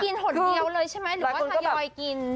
หดเดียวเลยใช่ไหมหรือว่าทยอยกิน